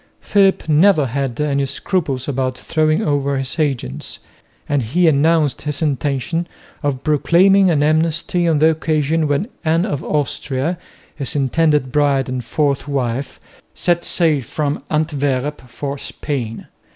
Philip never had any scruples about throwing over his agents, and he announced his intention of proclaiming an amnesty on the occasion when Anne of Austria, his intended bride and fourth wife, set sail from Antwerp for Spain.